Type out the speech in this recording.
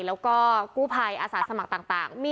แล้วก็กู้ภัยอาสาสมัครต่าง